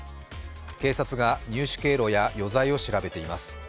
警察が入手経路や余罪を調べています。